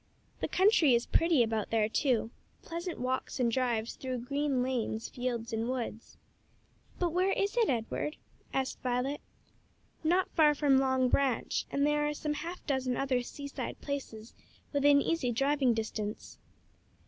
"The country is pretty about there, too pleasant walks and drives through green lanes, fields and woods." "But where is it, Edward?" asked Violet. "Not far from Long Branch; and there are some half dozen other sea side places within easy driving distance."